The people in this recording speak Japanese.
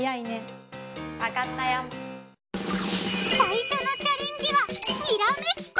最初のチャレンジはにらめっこ。